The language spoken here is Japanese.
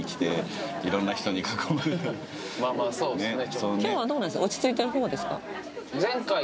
まぁまぁそうですね。